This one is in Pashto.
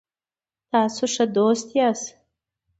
تاسو ښه دوست یاست